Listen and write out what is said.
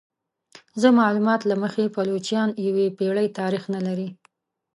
زما معلومات له مخې پایلوچان یوې پیړۍ تاریخ نه لري.